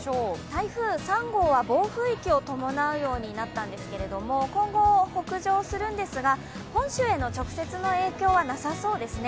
台風３号は暴風域を伴うようになったんですけれども今後、北上するんですが本州への直接の影響はなさそうですね。